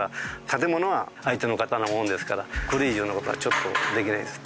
建物は相手の方のものですからこれ以上の事はちょっとできないです。